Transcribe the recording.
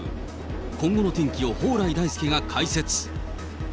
今後の天気を蓬莱大介が解説。